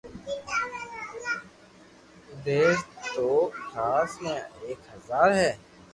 مير ئوخاس مي ايڪ بزار هي